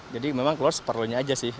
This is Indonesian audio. jadi memang keluar seperlunya aja sih